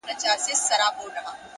پوه انسان له تېروتنې معنا جوړوي.!